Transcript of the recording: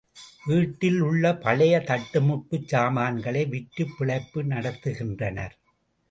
வீட்டில் உள்ள பழைய தட்டுமுட்டுச் சாமான்களை விற்றுப் பிழைப்பு நடத்துகின்றனர்.